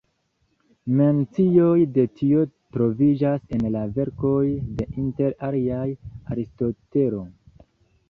Mencioj de tio troviĝas en la verkoj de inter aliaj Aristotelo.